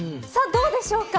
どうでしょうか。